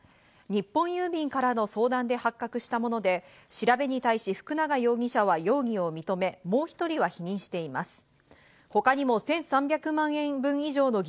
日本郵便からの相談で発覚したもので調べに対し、福永容疑者は容疑を認め、もう１人は否認しています。